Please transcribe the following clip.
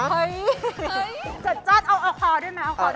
เฮ้ยจัดจ้านเอาขอด้วยนะ